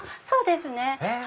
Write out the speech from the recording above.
そうですね。